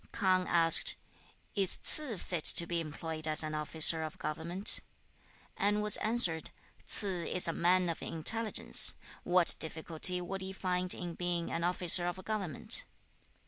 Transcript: K'ang asked, 'Is Ts'ze fit to be employed as an officer of government?' and was answered, 'Ts'ze is a man of intelligence; what difficulty would he find in being an officer of government?'